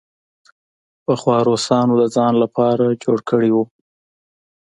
پخوا روسانو د ځان لپاره جوړ کړی وو.